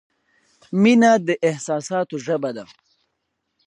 • مینه د احساساتو ژبه ده.